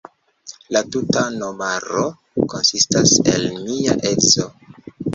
La tuta nomaro konsistas el mia edzo.